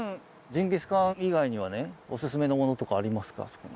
ジンギスカン以外にはねオススメのものとかありますか？